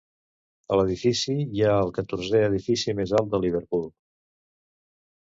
A l'edifici hi ha el catorzè edifici més alt de Liverpool.